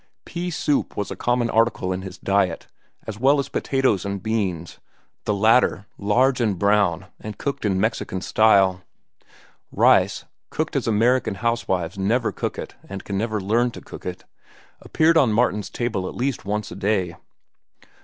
Pea soup was a common article in his diet, as well as potatoes and beans, the latter large and brown and cooked in Mexican style. Rice, cooked as American housewives never cook it and can never learn to cook it, appeared on Martin's table at least once a day.